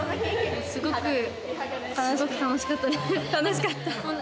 すごくすごく楽しかったね。